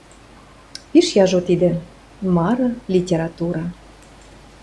— Пиш яжо тидӹ... мары литература.